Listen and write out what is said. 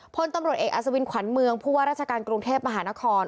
พลตำรวจเอกอัศวินขวัญเมืองผู้ว่าราชการกรุงเทพมหานคร